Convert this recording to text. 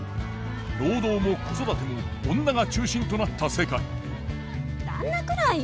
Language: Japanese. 労働も子育ても女が中心となった世界旦那くらいよ。